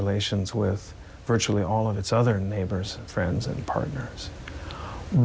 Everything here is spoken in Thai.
ไม่แค่ความทรงจำว่ามันจะไม่มีความสงสัย